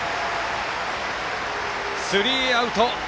スリーアウト！